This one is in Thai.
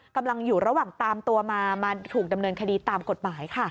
กำลังอยู่ระหว่างตามตัวมามาถูกดำเนินคดีตามกฎหมายค่ะ